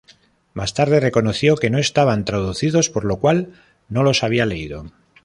Más tarde reconoció que no estaban traducidos, por lo cual no los había leído.